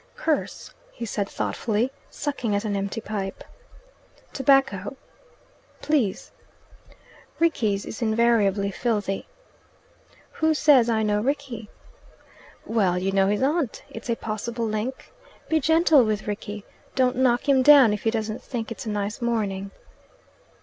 "Curse!" he said thoughtfully, sucking at an empty pipe. "Tobacco?" "Please." "Rickie's is invariably filthy." "Who says I know Rickie?" "Well, you know his aunt. It's a possible link. Be gentle with Rickie. Don't knock him down if he doesn't think it's a nice morning."